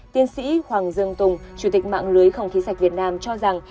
tiến sĩ hoàng dương tùng chủ tịch mạng lưới không khí sạch việt nam cho rằng